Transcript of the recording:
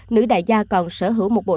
nữ đại gia còn sở hữu một bộ sô tài